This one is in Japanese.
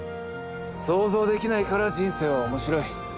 想像できないから人生はおもしろい。